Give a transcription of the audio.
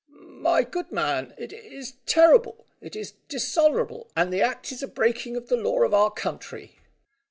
"My good man, it is terrible. It is dishonourable, and the act is a breaking of the laws of our country."